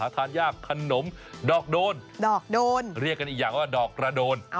ทานยากขนมดอกโดนดอกโดนเรียกกันอีกอย่างว่าดอกกระโดน